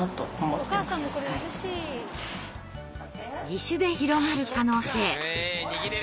義手で広がる可能性。